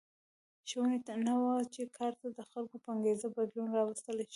شونې نه وه چې کار ته د خلکو په انګېزه بدلون راوستل شي.